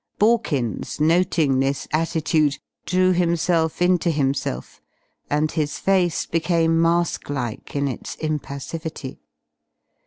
Borkins, noting this attitude, drew himself into himself and his face became mask like in its impassivity.